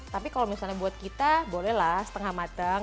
tapi kalau misalnya buat kita bolehlah setengah mateng